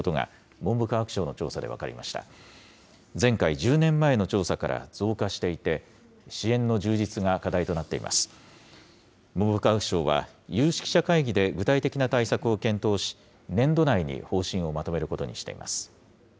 文部科学省は、有識者会議で具体的な対策を検討し、年度内に方針をまとめることにしています。